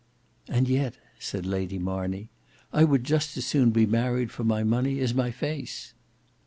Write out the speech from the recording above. "And yet," said Lady Marney, "I would just as soon be married for my money as my face."